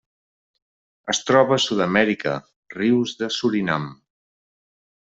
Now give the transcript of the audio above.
Es troba a Sud-amèrica: rius de Surinam.